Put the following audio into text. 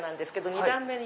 ２段目に。